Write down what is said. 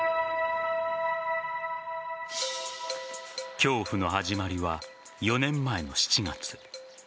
恐怖の始まりは４年前の７月。